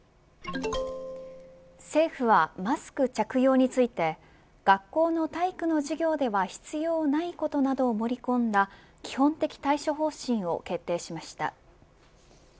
政府はマスク着用について学校の体育の授業では必要はないことを盛り込んだ基本的対処方針を決定しました。